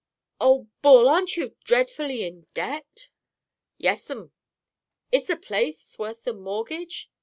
"Oh, Bul! Aren't you dreadfully in debt?" "Yes'm." "Is the place worth the mortgage?"